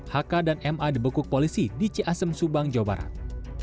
hk dan ma dibekuk polisi di ciasem subang jawa barat